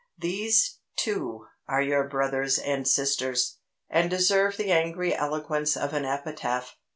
These, too, are your brothers and sisters, and deserve the angry eloquence of an epitaph.